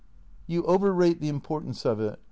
"You overrate the importance of it.